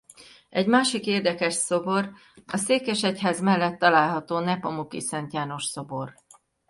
Egy másik érdekes szobor a székesegyház mellett található Nepomuki Szent János szobor.